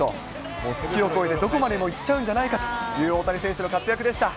もう月を越えてどこまでも行っちゃうんじゃないかという大谷選手の活躍でした。